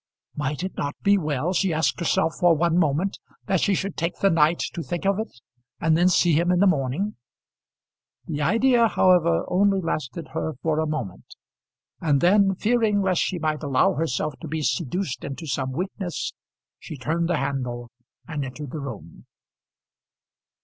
Might it not be well, she asked herself for one moment, that she should take the night to think of it and then see him in the morning? The idea, however, only lasted her for a moment, and then, fearing lest she might allow herself to be seduced into some weakness, she turned the handle and entered the room.